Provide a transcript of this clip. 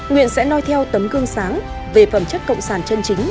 nguyện sẽ no theo tấm cương sáng về phẩm chất cộng sản chân chính